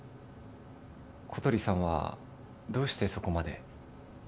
小鳥さんはどうしてそこまで？